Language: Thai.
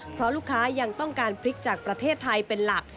เพราะลูกค้ายังต้องการพริกจากประเทศไทยเป็นหลัก